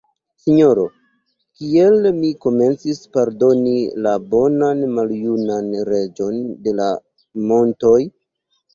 Sinjoro, kiel mi komencis pardoni la bonan maljunan Reĝon de la montoj!